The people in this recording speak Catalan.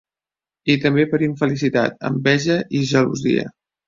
I també per infelicitat, enveja i gelosia.